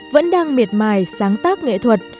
vẫn đang miệt mài sáng tác nghệ thuật